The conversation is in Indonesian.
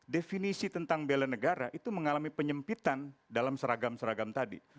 definisi tentang bela negara itu mengalami penyempitan dalam seragam seragam tadi